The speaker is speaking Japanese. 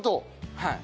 はい。